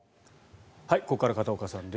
ここから片岡さんです。